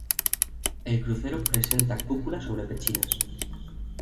El crucero presenta cúpula sobre pechinas.